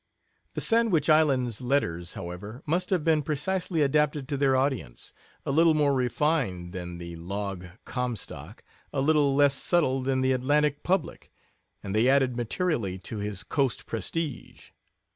The Sandwich Islands letters, however, must have been precisely adapted to their audience a little more refined than the log Comstock, a little less subtle than the Atlantic public and they added materially to his Coast prestige.